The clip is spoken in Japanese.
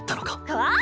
はあ⁉